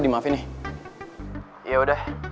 di maafin nih yaudah